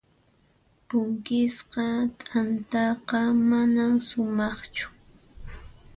Punkisqa t'antaqa manan sumaqchu.